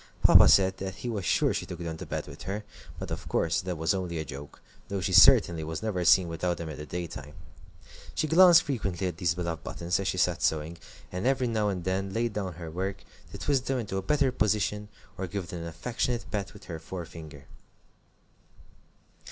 Papa said that he was sure she took them to bed with her, but of course that was only a joke, though she certainly was never seen without them in the daytime. She glanced frequently at these beloved buttons as she sat sewing, and every now and then laid down her work to twist them into a better position, or give them an affectionate pat with her forefinger.